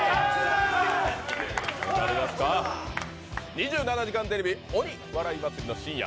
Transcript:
２７時間テレビ帯お笑い祭の深夜。